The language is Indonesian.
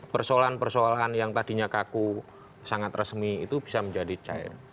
persoalan persoalan yang tadinya kaku sangat resmi itu bisa menjadi cair